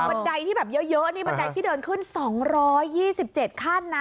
บันไดที่แบบเยอะนี่บันไดที่เดินขึ้น๒๒๗ขั้นนะ